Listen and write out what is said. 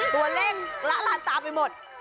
ตัวเลขละลานตาไปหมด